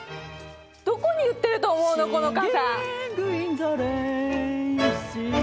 どこに売ってると思うのこの傘！